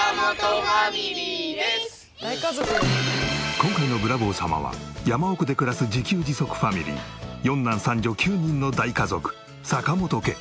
今回のブラボー様は山奥で暮らす自給自足ファミリー４男３女９人の大家族坂本家。